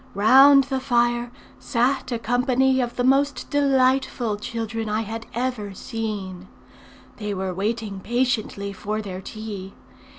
Round the fire sat a company of the most delightful children I had ever seen. They were waiting patiently for their tea.